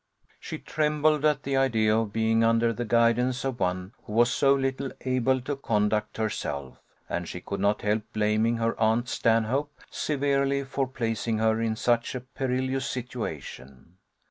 She trembled at the idea of being under the guidance of one who was so little able to conduct herself: and she could not help blaming her aunt Stanhope severely for placing her in such a perilous situation.